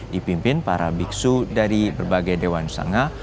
dipimpin para biksu dari berbagai dewan sanga